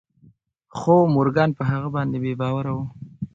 خو مورګان په هغه باندې بې باوره و